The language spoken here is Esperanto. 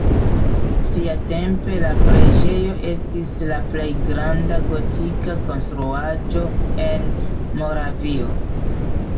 Siatempe la preĝejo estis la plej granda gotika konstruaĵo en Moravio.